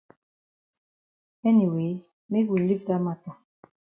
Anyway make we leave dat mata.